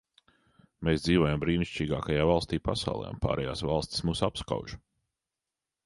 Mēs dzīvojam brīnišķīgākajā valstī pasaulē, un pārējās valstis mūs apskauž.